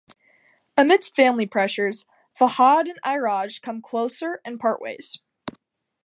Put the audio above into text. Amidst family pressures Fahad and Iraj come closer and part ways.